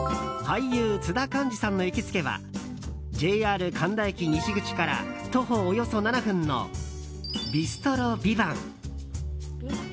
俳優・津田寛治さんの行きつけはＪＲ神田駅西口から徒歩およそ７分のビストロヴィヴァン。